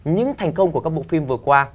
những thành công của các bộ phim vừa qua